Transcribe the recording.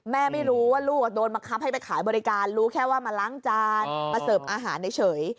ไม่รู้ว่าลูกโดนบังคับให้ไปขายบริการรู้แค่ว่ามาล้างจานมาเสิร์ฟอาหารเฉย